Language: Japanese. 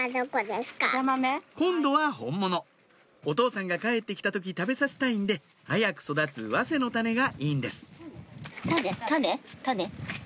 今度は本物お父さんが帰ってきた時食べさせたいんで早く育つわせの種がいいんです種？